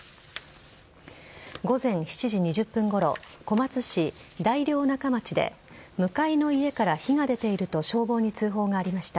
午前７時２０分ごろ小松市大領中町で向かいの家から火が出ていると消防に通報がありました。